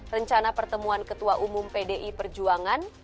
rencana pertemuan ketua umum pdi perjuangan